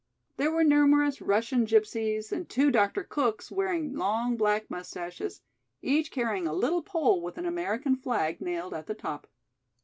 There were numerous Russian Gypsies and two Dr. Cooks wearing long black mustaches, each carrying a little pole with an American flag nailed at the top.